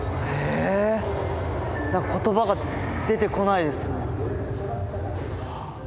えっ言葉が出てこないです。